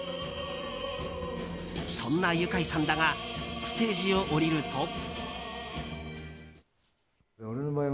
そんなユカイさんだがステージを降りると。